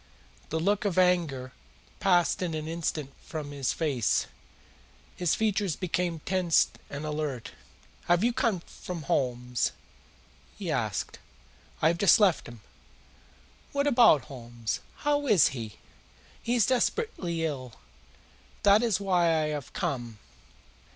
The look of anger passed in an instant from his face. His features became tense and alert. "Have you come from Holmes?" he asked. "I have just left him." "What about Holmes? How is he?" "He is desperately ill. That is why I have come."